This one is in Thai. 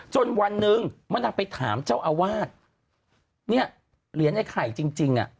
วันหนึ่งมะนาวไปถามเจ้าอาวาสเนี่ยเหรียญไอ้ไข่จริงจริงอ่ะ